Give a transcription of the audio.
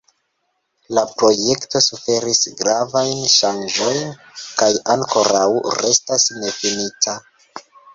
La projekto suferis gravajn ŝanĝojn kaj ankoraŭ restas nefinita.